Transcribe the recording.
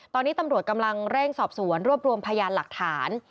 ตอนนี้ตำรวจกำลังเร่งสอบสวนรวบรวมพยานหลักฐาน